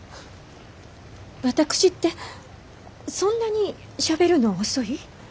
私ってそんなにしゃべるの遅い？